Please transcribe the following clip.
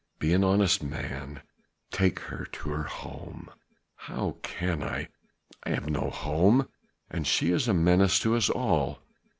Be an honest man and take her to her home." "How can I? I have no home: and she is a menace to us all...."